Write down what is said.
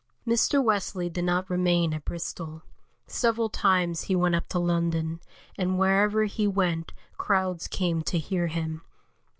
Mr. Wesley did not remain at Bristol; several times he went up to London, and wherever he went crowds came to hear him.